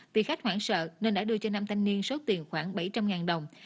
vì khách hoảng sợ nên đã đưa cho nam thanh niên số tiền khoảng bảy trăm linh đồng